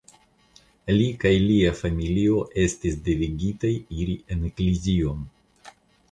Li kaj lia familio estis devigitaj iri en ekzilon.